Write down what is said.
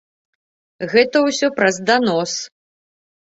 Гэта ўсё праз данос.